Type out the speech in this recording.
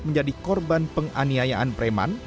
menjadi korban penganiayaan preman